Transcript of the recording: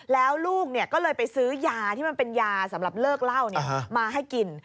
แล้วลูกก็เลยไปซื้อยาที่มันเป็นยาสำหรับเลิกเหล้ามาให้กิน